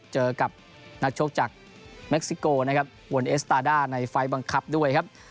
เจอกับนักชกจากเม็กซิโกนะครับวนเอสตาด้าในไฟล์บังคับด้วยครับ